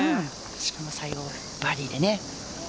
しかも最後はバーディーでね。